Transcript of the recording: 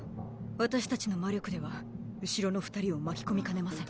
私たちの魔力では後ろの二人を巻き込みかねません。